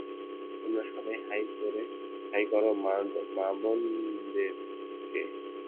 তোমরা সবাই হাই করো মাবন দেবকে।